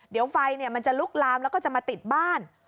เดี๋ยวไฟมันจะลุกลามแล้วก็จะมาติดบ้าน